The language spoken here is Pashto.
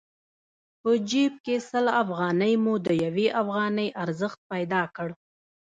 په جېب کې سل افغانۍ مو د يوې افغانۍ ارزښت پيدا کړ.